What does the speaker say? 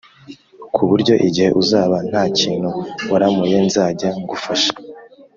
, ku buryo igihe uzaba nta kintu waramuye nzajya ngufasha